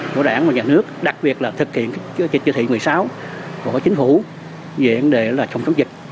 tổ đảng và nhà nước đặc biệt là thực hiện chủ thị một mươi sáu của chính phủ về vấn đề chống chống dịch